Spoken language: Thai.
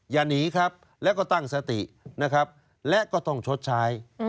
อย่าหนีครับแล้วก็ตั้งสตินะครับและก็ต้องชดใช้